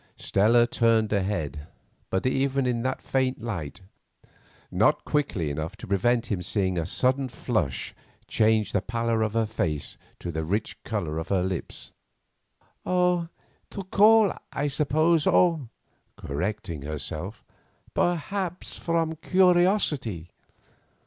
Stella turned her head, but, even in that faint light, not quickly enough to prevent him seeing a sudden flush change the pallor of her face to the rich colour of her lips. "To call, I suppose; or," correcting herself, "perhaps from curiosity."